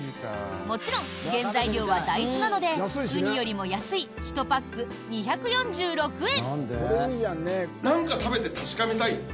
もちろん原材料は大豆なのでウニよりも安い１パック２４６円！